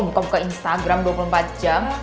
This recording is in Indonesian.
buka buka instagram dua puluh empat jam